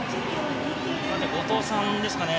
後藤さんですかね。